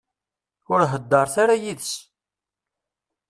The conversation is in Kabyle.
Ur heddṛet ara yid-s.